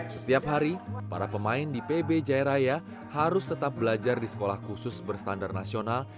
setiap hari para pemain di pb jaya raya harus tetap belajar di sekolah khusus berstandar nasional